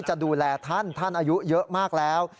จะดูแลท่านท่านอายุเยอะมากแล้ว